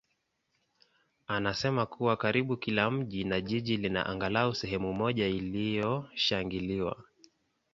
anasema kuwa karibu kila mji na jiji lina angalau sehemu moja iliyoshangiliwa.